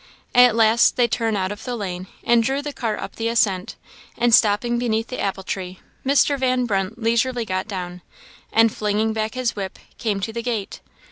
At last they turned out of the lane, and drew the cart up the ascent; and stopping beneath the apple tree, Mr. Van Brunt leisurely got down, and flinging back his whip, came to the gate.